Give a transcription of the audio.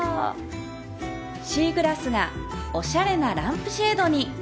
シーグラスがおしゃれなランプシェードに